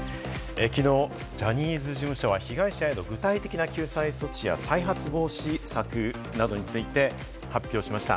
きのうジャニーズ事務所は被害者への具体的な救済措置や再発防止策などについて発表しました。